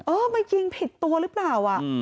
เออมายิงผิดตัวหรือเปล่า